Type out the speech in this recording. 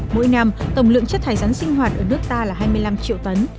mỗi năm tổng lượng chất thải rắn sinh hoạt ở nước ta là hai mươi năm triệu tấn